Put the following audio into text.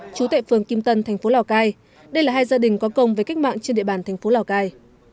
chú tại phường kim tân thành phố lào cai đây là hai gia đình có công với cách mạng trên địa bàn thành phố lào cai